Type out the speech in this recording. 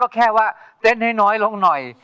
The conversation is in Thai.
แค่ว่าเต้นให้น้อยลงหน่อย